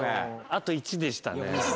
あと１でしたね。